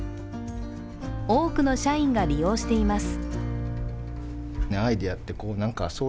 多くの社員が利用しています。